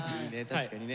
確かにね。